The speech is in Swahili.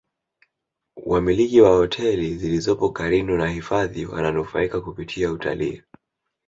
wamiliki wa hoteli zilizopo karinu na hifadhi wananufaika kupitia utalii